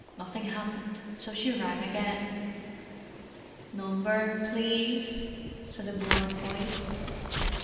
Nothing happened, so she rang again. "Number, please?" said a bored voice.